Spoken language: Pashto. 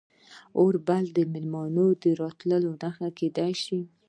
اور بلول د میلمه د راتلو نښه کیدی شي.